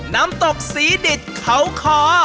น้ำตกศรีดิษฐ์เขาคอ